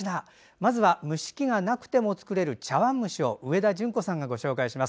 まずは蒸し器がなくても作れる茶わん蒸しを上田淳子さんがご紹介します。